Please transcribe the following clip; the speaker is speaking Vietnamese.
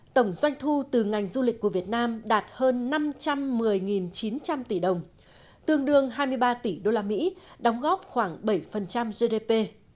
tổng doanh thu từ ngành du lịch của việt nam đạt hơn năm trăm một mươi chín trăm linh tỷ đồng tương đương hai mươi ba tỷ usd đóng góp khoảng bảy gdp